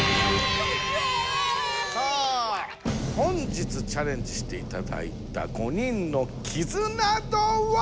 本日チャレンジしていただいた５人のキズナ度は？